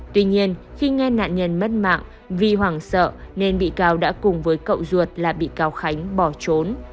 tuy nhiên khi nghe nạn nhân mất mạng vì hoảng sợ nên bị cáo đã cùng với cậu ruột là bị cáo khánh bỏ trốn